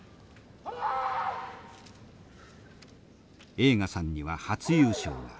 栄花さんには初優勝が。